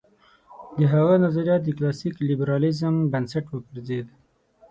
د هغه نظریات د کلاسیک لېبرالېزم بنسټ وګرځېد.